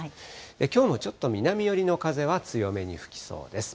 きょうもちょっと南寄りの風は強めに吹きそうです。